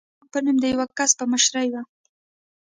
د شیام په نوم د یوه کس په مشرۍ و.